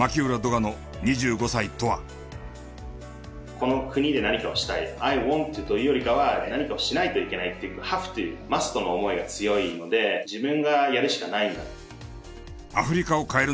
この国で何かをしたい「ＩＷａｎｔ」というよりかは何かをしないといけないっていう「Ｈａｖｅｔｏ」「Ｍｕｓｔ」の思いが強いので自分がやるしかないんだ。